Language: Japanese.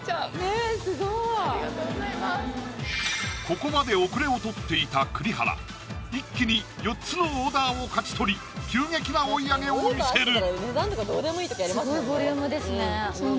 ここまで後れを取っていた栗原一気に４つのオーダーを勝ち取り急激な追い上げを見せる！